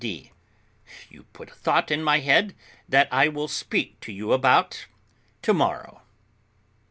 D. You put a thought in my head that I will speak to you about to morrow.